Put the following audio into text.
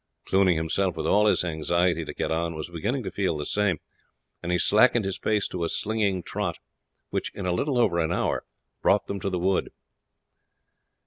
Cluny himself, with all his anxiety to get on, was beginning to feel the same, and he slackened his pace to a slinging trot, which in little over an hour brought them to the wood.